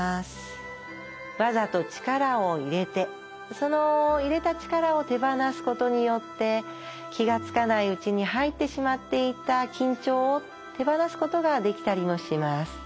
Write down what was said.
わざと力を入れてその入れた力を手放すことによって気が付かないうちに入ってしまっていた緊張を手放すことができたりもします。